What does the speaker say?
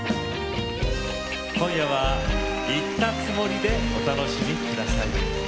今夜は行ったつもりでお楽しみ下さい。